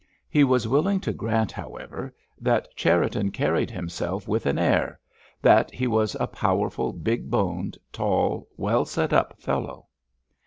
He was willing to grant, however, that Cherriton carried himself with an air, that he was a powerful, big boned, tall, well set up fellow.